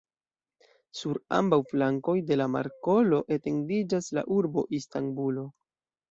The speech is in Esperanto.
Sur ambaŭ flankoj de la markolo etendiĝas la urbo Istanbulo.